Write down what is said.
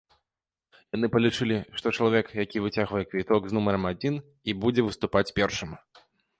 Яны палічылі, што чалавек, які выцягвае квіток з нумарам адзін і будзе выступаць першым.